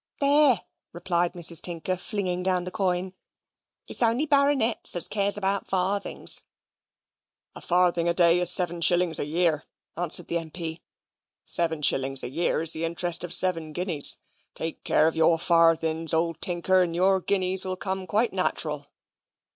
"There!" replied Mrs. Tinker, flinging down the coin; "it's only baronets as cares about farthings." "A farthing a day is seven shillings a year," answered the M.P.; "seven shillings a year is the interest of seven guineas. Take care of your farthings, old Tinker, and your guineas will come quite nat'ral."